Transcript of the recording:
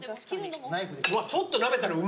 ちょっとなめたらうま！